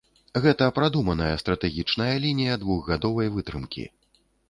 Гэта прадуманая стратэгічная лінія двухгадовай вытрымкі.